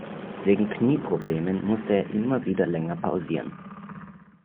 Wegen Knieproblemen musste er immer wieder länger pausieren.